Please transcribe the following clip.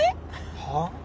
はあ？